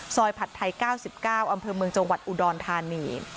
ผัดไทย๙๙อำเภอเมืองจังหวัดอุดรธานี